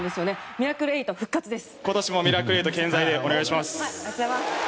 ミラクルエイト復活です。